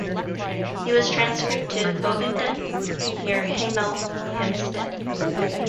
He was transferred to Bovingdon near Hemel Hempstead.